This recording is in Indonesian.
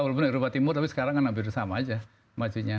walaupun eropa timur tapi sekarang hampir sama saja majunya